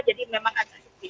jadi memang ada sepi